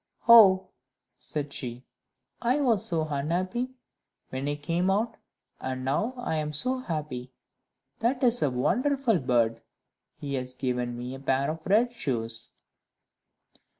"Oh," said she, "I was so unhappy when I came out, and now I am so happy! That is a wonderful bird; he has given me a pair of red shoes."